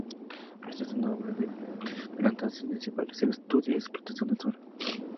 Esta es una obra de gran trascendencia para el estudio y explotación del suelo.